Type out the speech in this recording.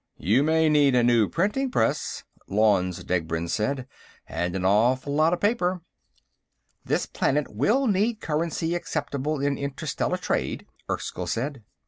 "You may need a new printing press," Lanze Degbrend said. "And an awful lot of paper." "This planet will need currency acceptable in interstellar trade," Erskyll said.